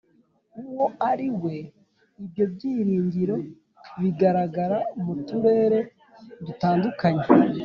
n'uwo ari we, ibyo byiringiro bigaragara mu turere dutandukanye